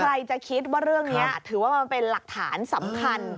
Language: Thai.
ใครจะคิดว่าเรื่องนี้ถือว่ามันเป็นหลักฐานสำคัญ